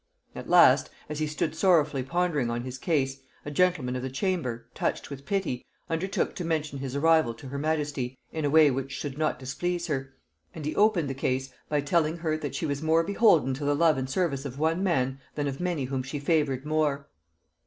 At last, as he stood sorrowfully pondering on his case, a gentleman of the chamber, touched with pity, undertook to mention his arrival to her majesty in a way which should not displease her: and he opened the case by telling her, that she was more beholden to the love and service of one man than of many whom she favored more.